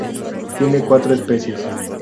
Tiene cuatro especies.